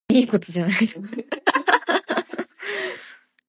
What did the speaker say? Prefectural councillors are elected via public election every four years.